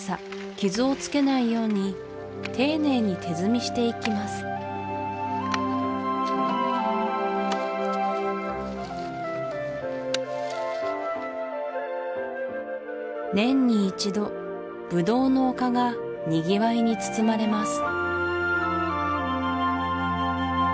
傷をつけないように丁寧に手摘みしていきます年に一度ブドウの丘がにぎわいに包まれます